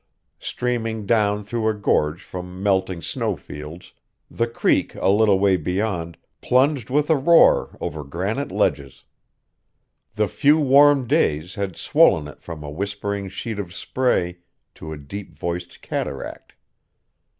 Streaming down through a gorge from melting snowfields the creek a little way beyond plunged with a roar over granite ledges. The few warm days had swollen it from a whispering sheet of spray to a deep voiced cataract.